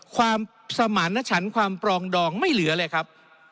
ความสมารณชันความปรองดองไม่เหลือเลยครับ